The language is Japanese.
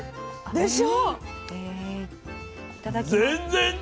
でしょ？